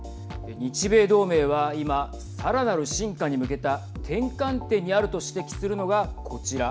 日米同盟は今さらなる深化に向けた転換点にあると指摘するのがこちら。